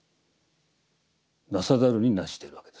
作さざるに作しているわけですよ。